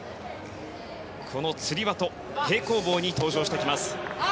このつり輪と平行棒に登場してきます。